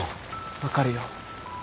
分かるよ